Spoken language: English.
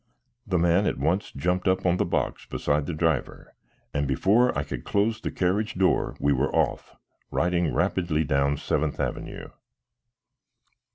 The man at once jumped up on the box beside the driver, and before I could close the carriage door we were off, riding rapidly down Seventh Avenue.